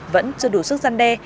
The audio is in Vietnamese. vẫn chưa đủ sức gian đe